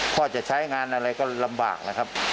พ่อจะใช้งานอะไรก็ลำบากนะครับ